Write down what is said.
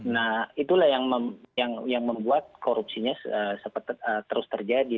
nah itulah yang membuat korupsinya terus terjadi